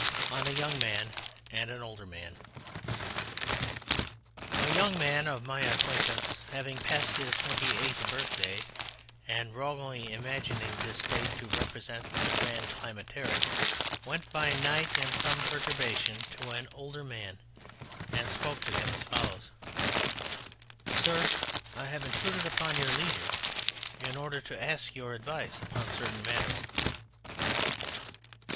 ON A YOUNG MAN AND AN OLDER MAN A Young Man of my acquaintance having passed his twenty eighth birthday, and wrongly imagining this date to represent the Grand Climacteric, went by night in some perturbation to an Older Man and spoke to him as follows: "Sir! I have intruded upon your leisure in order to ask your advice upon certain matters."